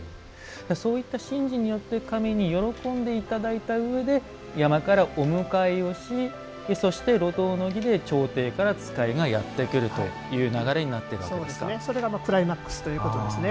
そういった神事によって神に喜んでいただいた上で山からお迎えをしそして、路頭の儀で朝廷から使いがやってくるという流れがそれがクライマックスということですね。